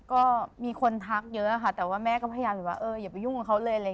ก็มีคนทักเยอะค่ะแต่ว่าแม่ก็พยายามอย่าไปยุ่งกับเขาเลย